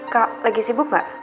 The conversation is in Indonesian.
kak lagi sibuk gak